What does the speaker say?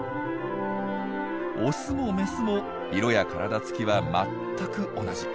オスもメスも色や体つきは全く同じ。